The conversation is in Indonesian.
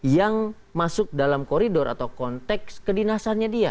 yang masuk dalam koridor atau konteks kedinasannya dia